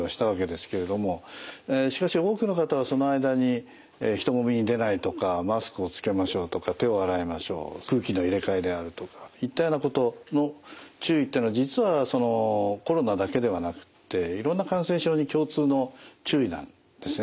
しかし多くの方はその間に人混みに出ないとかマスクをつけましょうとか手を洗いましょう空気の入れ替えであるとかいったようなことの注意っていうのは実はそのコロナだけではなくっていろんな感染症に共通の注意なんですね。